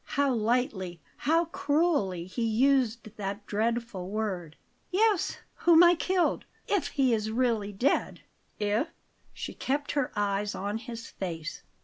How lightly, how cruelly he used that dreadful word! "Yes, whom I killed if he is really dead." "If?" She kept her eyes on his face.